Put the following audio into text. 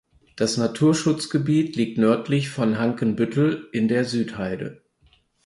Das Naturschutzgebiet liegt nördlich von Hankensbüttel in der Südheide.